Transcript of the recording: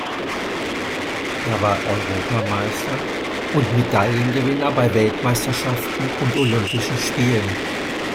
Er war Europameister und Medaillengewinner bei Weltmeisterschaften und Olympischen Spielen.